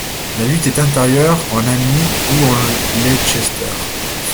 La lutte est intérieure en Amy ou en Leicester.